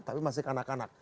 tapi masih kanak kanak